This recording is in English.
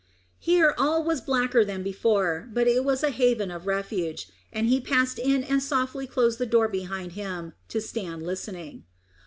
Here all was blacker than before, but it was a haven of refuge, and he passed in and softly closed the door behind him, to stand listening.